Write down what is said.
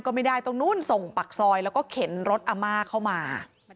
ก็ไม่ได้ตรงนู้นส่งปากซอยแล้วก็เข็นรถอาม่าเข้ามา